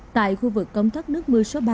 tại khu vực công thấp nước mưa số ba